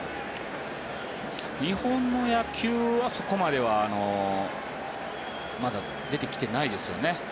日本の野球はそこまではまだ出てきてないですよね。